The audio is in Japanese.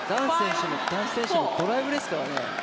男子選手のドライブですからね。